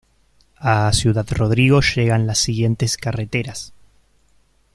A Ciudad Rodrigo llegan las siguientes carreteras.